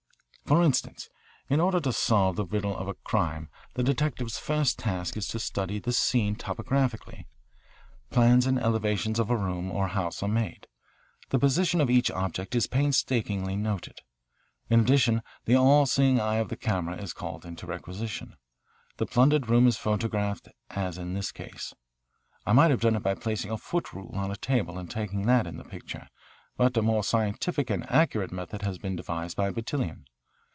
"For instance, in order to solve the riddle of a crime the detective's first task is to study the scene topographically. Plans and elevations of a room or house are made. The position of each object is painstakingly noted. In addition, the all seeing eye of the camera is called into requisition. The plundered room is photographed, as in this case. I might have done it by placing a foot rule on a table and taking that in the picture, but a more scientific and accurate method has been devised by Bertillon.